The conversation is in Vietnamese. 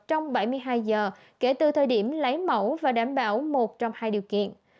trong bảy mươi hai giờ kể từ thời điểm lấy mẫu và đảm bảo một trong hai điều kiện